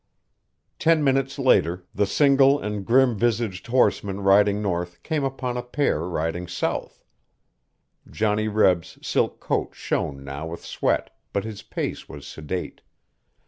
Ten minutes later the single and grim visaged horseman riding north came upon a pair riding south. Johnny Reb's silk coat shone now with sweat, but his pace was sedate.